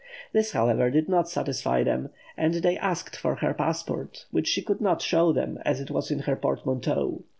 This, however, did not satisfy them, and they asked for her passport, which she could not show them, as it was in her portmanteau.